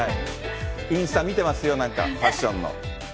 インスタ見てますよ、ファッションの。